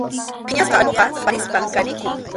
Phiñasqa allquqa qaparispam kanikun.